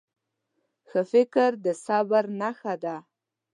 ښه فکر د صبر نښه ده.